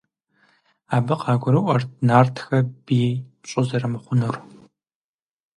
Абы къагурыӀуэрт нартхэр бий пщӀы зэрымыхъунур.